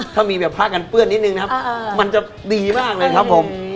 ถ้ามีแบบผ้ากันเปื้อนนิดนึงนะครับมันจะดีมากเลยครับผม